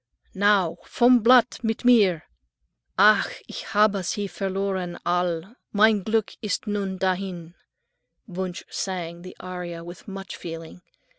"Now, vom blatt, mit mir." "Ach, ich habe sie verloren, All' mein Glück ist nun dahin." Wunsch sang the aria with much feeling.